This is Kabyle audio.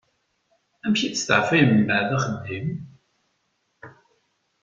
Amek i testeεfayem mbeεd axeddim?